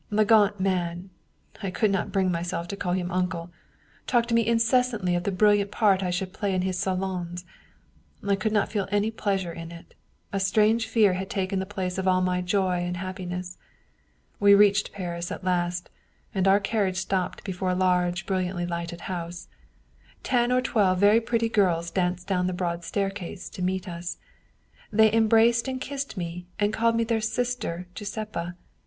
The gaunt man (I could not bring myself to call him uncle) talked to me incessantly of the brilliant part I should play in his salons. I could not feel any pleasure in it; a strange fear had taken the place of all my joy and happiness. We reached Paris at last, and our carriage stopped before a large brilliantly lighted house. Ten or twelve very pretty girls danced down the broad staircase to meet us. They em braced and kissed me, and called me their sister Giuseppa.